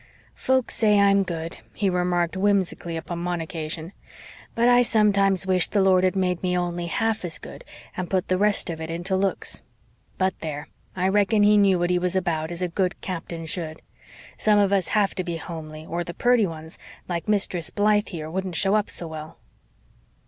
"Folks say I'm good," he remarked whimsically upon one occasion, "but I sometimes wish the Lord had made me only half as good and put the rest of it into looks. But there, I reckon He knew what He was about, as a good Captain should. Some of us have to be homely, or the purty ones like Mistress Blythe here wouldn't show up so well."